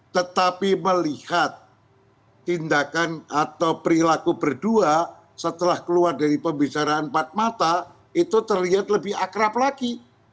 tetapi melihat tindakan atau perilaku berdua setelah keluar dari pembicaraan empat mata itu terlihat lebih akrab lagi